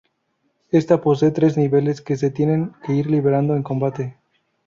Esta posee tres niveles, que se tienen que ir liberando en combate.